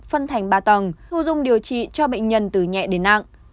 phân thành ba tầng thu dung điều trị cho bệnh nhân từ nhẹ đến nặng